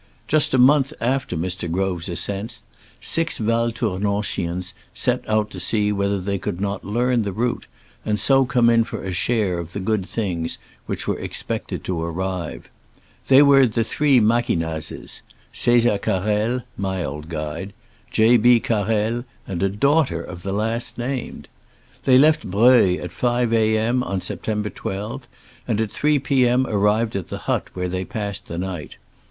Just a month after Mr. Grove's ascent, six Val Toumanchians set out to see whether they could not learn the route, and so come in for a share of the good things which were expected to arrive. They were three Maqui gnazes, Cssar Carrel (my old guide), J. B. Carrel, and a daughter of the last named 1 They left Breuil at 5 A. M. on September 12, and at 3 p. M. arrived at the hut, where they passed the night.